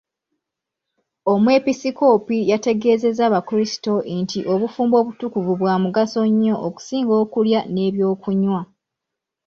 Omwepisikoopi yategeezezza abakrisito nti obufumbo obutukuvu bwa mugaso nnyo okusinga okulya n'ebyokunywa.